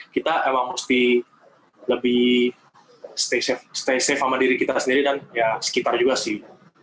kita emang mesti lebih stay safe sama diri kita sendiri dan ya sekitar juga sih